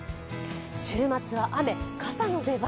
週末は雨、傘の出番。